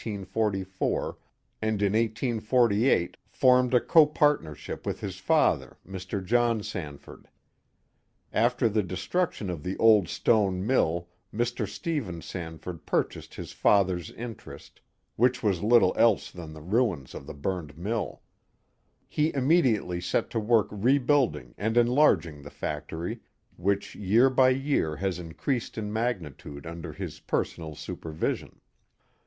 and in 1848 formed a copartnership with his father, Mr, John Sanford, After the destruction of the old stone mill, Mr. Stephen Sanford purchased his father's interest, which was little else than the ruins of the burned mill. He imme diately set to work rebuilding and enlarging the factory, which year by year has increased in magnitude under his personal supervision.